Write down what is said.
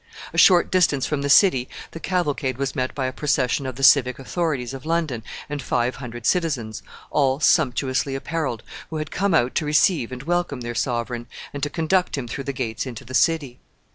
A short distance from the city the cavalcade was met by a procession of the civic authorities of London and five hundred citizens, all sumptuously appareled, who had come out to receive and welcome their sovereign, and to conduct him through the gates into the city.